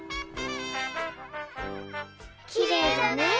・きれいだね